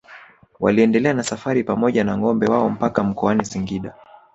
Waliendelea na safari pamoja na ngombe wao mpaka mkoani Singida